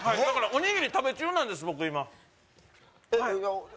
だからおにぎり食べ中なんです今おえっ？